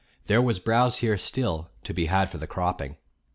There was browse here still, to be had for the cropping.